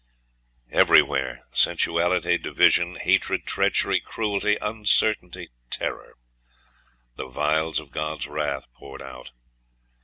'.... Everywhere sensuality, division, hatred, treachery, cruelty, uncertainty, terror; the vials of God's wrath poured out.